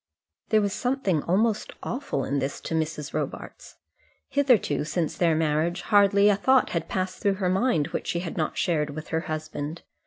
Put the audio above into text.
There was something almost awful in this to Mrs. Robarts. Hitherto, since their marriage, hardly a thought had passed through her mind which she had not shared with her husband.